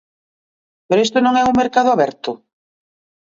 Pero isto non é un mercado aberto?